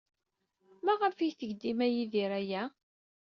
Maɣef ay yetteg dima Yidir aya?